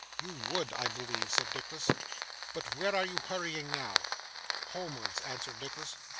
'You would, I believe,' said Newman. 'But where are you hurrying now?' 'Homewards,' answered Nicholas.